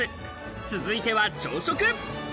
続いては朝食。